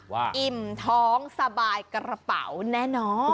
อิ่มท้องสบายกระเป๋าแน่นอน